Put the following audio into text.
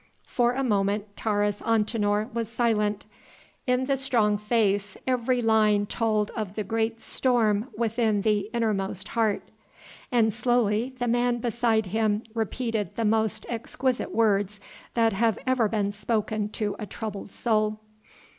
For a moment Taurus Antinor was silent. In the strong face every line told of the great storm within the innermost heart. And slowly the man beside him repeated the most exquisite words that have ever been spoken to a troubled soul.